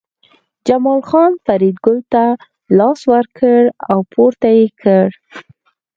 جمال خان فریدګل ته لاس ورکړ او پورته یې کړ